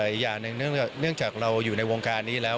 อีกอย่างหนึ่งเนื่องจากเราอยู่ในวงการนี้แล้ว